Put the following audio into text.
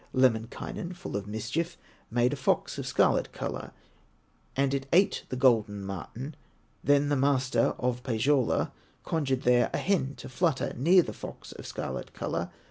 Lemminkainen, full of mischief, Made a fox of scarlet color, And it ate the golden marten. Then the master of Pohyola Conjured there a hen to flutter Near the fox of scarlet color.